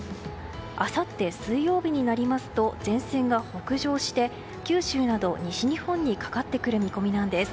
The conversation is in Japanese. あさって水曜日になりますと前線が北上して九州など西日本にかかってくる見込みなんです。